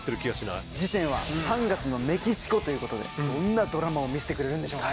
次戦は３月のメキシコという事でどんなドラマを見せてくれるんでしょうね？